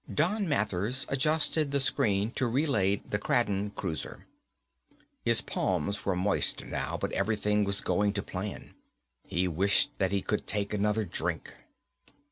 Don Mathers adjusted the screen to relay the Kraden cruiser. His palms were moist now, but everything was going to plan. He wished that he could take another drink.